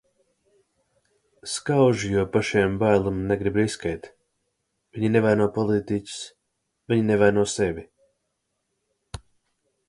Skauž, jo pašiem bail un negrib riskēt. Viņi nevaino politiķus. Viņi nevaino sevi.